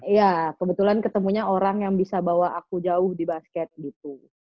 iya kebetulan ketemunya orang yang bisa bawa aku jauh di basket gitu